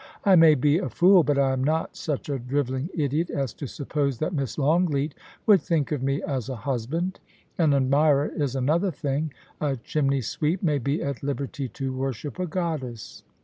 I may be a fool, but I am not such a drivelling idiot as to suppose that Miss Longleat would think of me as a husband. An admirer is another thing ; a chimney sweep may be at liberty to worship a goddess.